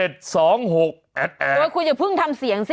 โดยคุณอย่าเพิ่งทำเสียงสิ